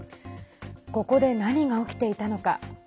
ここで何が起きていたのか。